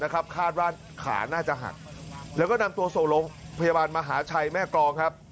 คาดว่าขาน่าจะหักแล้วก็นำตัวส่งโรงพยาบาลมหาชัยแม่กรองครับ